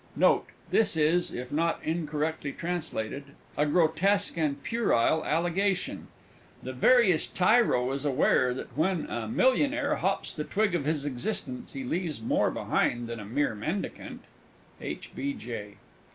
Note. This is (if not incorrectly translated) a grotesque and puerile allegation. The veriest tyro is aware that when a Millionaire hops the twig of his existence, he leaves more behind him than a mere Mendicant! H. B. J.